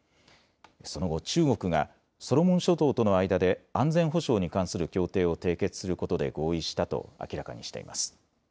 その後、中国がソロモン諸島との間で安全保障に関する協定を締結することで合意したと明らかにしています。